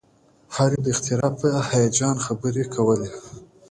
هر یو د اختراع په هیجان خبرې کولې